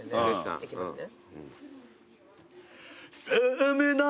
いきますね。